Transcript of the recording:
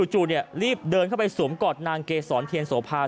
จู่รีบเดินเข้าไปสวมกอดนางเกษรเทียนโสภา